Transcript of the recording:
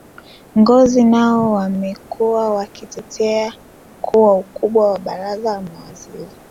ngozi nao wamekuwa wakitetea kuwa ukubwa wa baraza la mawaziri